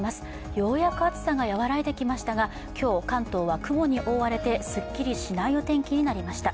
ようやく暑さが和らいできましたが、今日、関東は雲に覆われてすっきりしないお天気になりました。